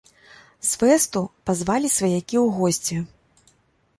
З фэсту пазвалі сваякі ў госці.